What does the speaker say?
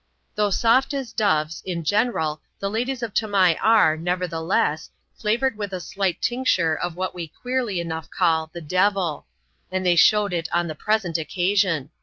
Though soft as doves, in general, the ladies of Tamai are, nevertheless, flavoured with a slight tincture of what we queerly enough call the " devil;'* and they showed it on the present occasion.